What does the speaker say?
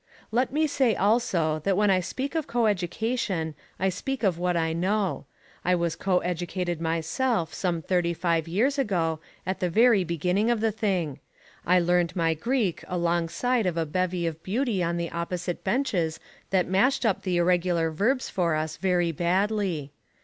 Let me say also that when I speak of coeducation I speak of what I know. I was coeducated myself some thirty five years ago, at the very beginning of the thing. I learned my Greek alongside of a bevy of beauty on the opposite benches that mashed up the irregular verbs for us very badly.